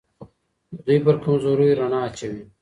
د دوی پر کمزوریو رڼا اچوي